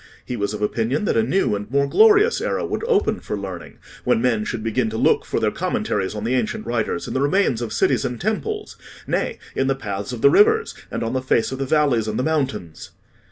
He was of opinion that a new and more glorious era would open for learning when men should begin to look for their commentaries on the ancient writers in the remains of cities and temples, nay, in the paths of the rivers, and on the face of the valleys and the mountains."